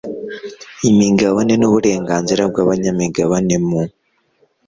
imigabane n uburenganzira bw abanyamigabane mu